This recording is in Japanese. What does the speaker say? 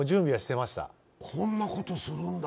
こんなことするんだ。